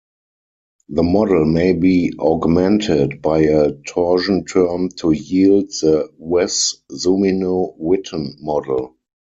The model may be augmented by a torsion term to yield the Wess-Zumino-Witten model.